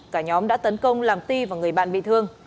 cả nhóm đã tấn công làm ti và người bạn bị thương